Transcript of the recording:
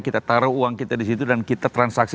kita taruh uang kita di situ dan kita transaksi